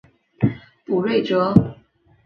卜睿哲。